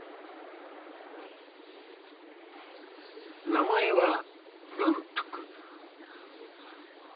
名前は文福。